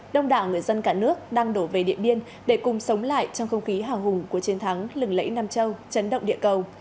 đông đảo người dân cả nước đang đổ về điện biên để cùng sống lại trong không khí hào hùng của chiến thắng lừng lẫy nam châu chấn động địa cầu